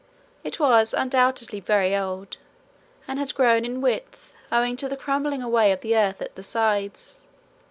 It was undoubtedly very old and had grown in width owing to the crumbling away of the earth at the sides.